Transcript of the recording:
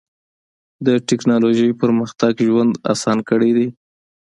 د ټکنالوجۍ پرمختګ ژوند اسان کړی دی.